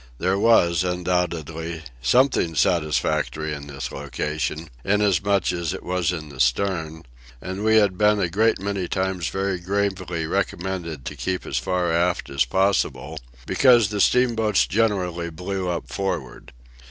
There was, undoubtedly, something satisfactory in this 'location,' inasmuch as it was in the stern, and we had been a great many times very gravely recommended to keep as far aft as possible, 'because the steamboats generally blew up forward.